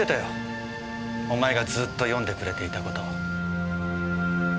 お前がずっと読んでくれていたことを。